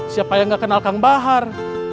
siapa yang gak kenal kang bahar